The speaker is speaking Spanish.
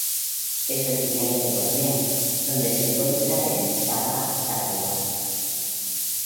Es originaria de Borneo, donde se encuentra en Sabah, Sarawak.